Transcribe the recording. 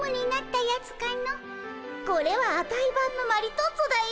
これはアタイばんのマリトッツォだよ。